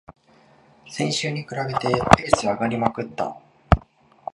先週に比べてペース上がりまくった